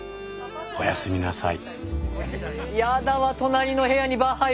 おやすみなさい。